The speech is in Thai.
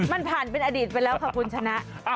มันผ่านเป็นอดีตไปแล้วค่ะคุณชนะ